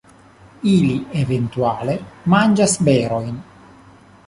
Ili eventuale manĝas berojn.